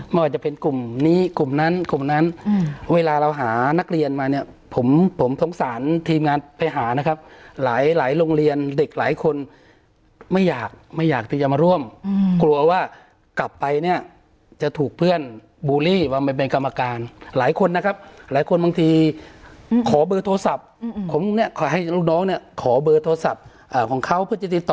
ไม่ว่าจะเป็นกลุ่มนี้กลุ่มนั้นกลุ่มนั้นเวลาเราหานักเรียนมาเนี่ยผมผมสงสารทีมงานไปหานะครับหลายหลายโรงเรียนเด็กหลายคนไม่อยากไม่อยากที่จะมาร่วมกลัวว่ากลับไปเนี่ยจะถูกเพื่อนบูลลี่ว่ามาเป็นกรรมการหลายคนนะครับหลายคนบางทีขอเบอร์โทรศัพท์ผมเนี่ยขอให้ลูกน้องเนี่ยขอเบอร์โทรศัพท์ของเขาเพื่อจะติดต่อ